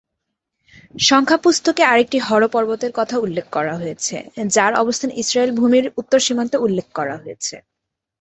সংখ্যা পুস্তকে আরেকটি হর পর্বতের কথা উল্লেখ করা হয়েছে, যার অবস্থান ইসরায়েল ভূমির উত্তর সীমান্তে উল্লেখ করা হয়েছে।